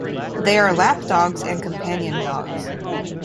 They are lap dogs and companion dogs.